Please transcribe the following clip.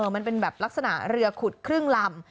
มันเป็นแบบลักษณะเรือขุดครึ่งลำ